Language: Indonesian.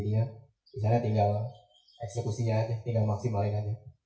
jadinya disana tinggal eksekusinya tinggal maksimalin aja